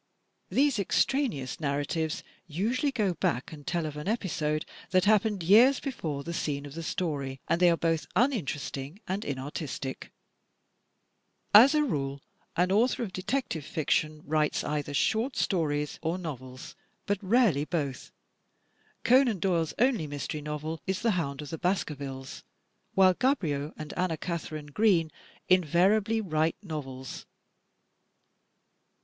These extraneous narratives usually go back and tell of an episode that hap pened years before the scene of the story, and they are both uninteresting and inartistic. STRUCTURE 285 As a rule, an author of detective fiction writes either short stories or novels, but rarely both. Conan Doyle's only mystery novel is "The Hound of the Baskervilles;" while Gaboriau and Anna Katharine Green invariably write novels.